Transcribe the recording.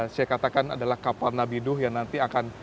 sheikh katakan adalah kapal nabi nuh yang nanti akan